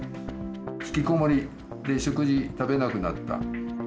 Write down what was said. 引きこもりで食事食べなくなった。